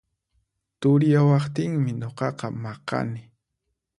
Turiyawaqtinmi nuqaqa maqani